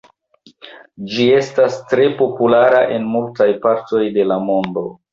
Ĝi estas tre populara en multaj partoj de la mondo.